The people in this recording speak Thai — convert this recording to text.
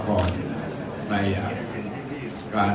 ขอบคุณครับ